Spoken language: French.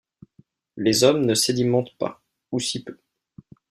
Les hommes ne sédimentent pas, ou si peu.